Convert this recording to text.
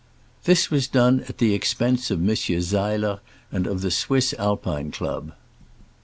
This was done at the expense' of Monsieur Seller and of the Swiss Alpine Club.